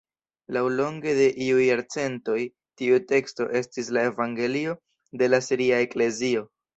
Laŭlonge de iuj jarcentoj tiu teksto estis la evangelio de la siria eklezio.